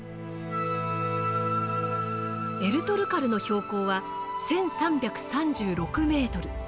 エルトルカルの標高は１，３３６ｍ。